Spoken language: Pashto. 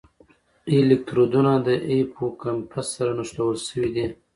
الکترودونه د هیپوکمپس سره نښلول شوي دي.